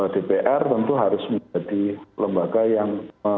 dpr tentu harus menjadi lembaga yang